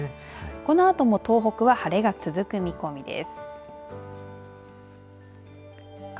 このあとも東北は晴れが続く見込みです。